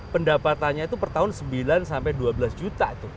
pendapatannya itu per tahun sembilan sampai dua belas juta tuh